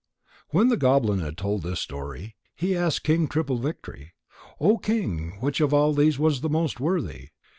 When the goblin had told this story, he asked King Triple victory: "O King, which of all these was the most worthy?